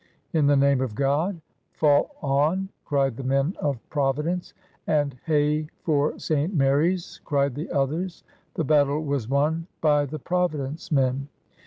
'"In the name of God, fall on! cried the men of Providence, and "Hey for St. Mary's! cried the others. The battle was won by the Providence men.